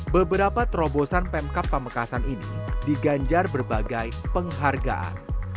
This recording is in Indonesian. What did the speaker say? beberapa terobosan pemkap pamekasan ini diganjar berbagai penghargaan